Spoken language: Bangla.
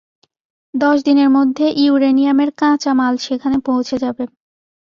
দশ দিনের মধ্যে ইউরেনিয়ামের কাঁচা মাল সেখানে পৌঁছে যাবে।